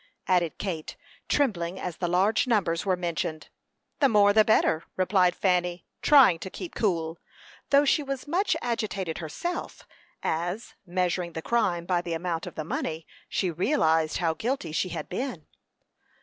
added Kate, trembling as the large numbers were mentioned. "The more the better," replied Fanny, trying to keep cool, though she was much agitated herself, as, measuring the crime by the amount of the money, she realized how guilty she had been.